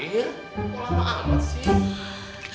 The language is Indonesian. kok lama amat sih